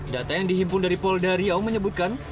data yang dihimpun dari pol dario menyebutkan